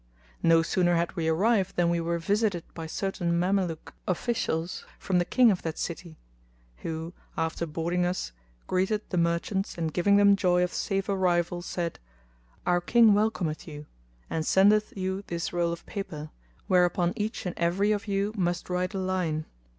No sooner had we arrived than we were visited by certain Mameluke officials from the King of that city; who, after boarding us, greeted the merchants and giving them joy of safe arrival said, "Our King welcometh you, and sendeth you this roll of paper, whereupon each and every of you must write a line.